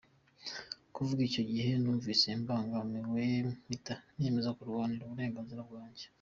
Kuva icyo gihe numvise mbangamiwe mpita niyemeza kurwanira uburenganzira bwanjye.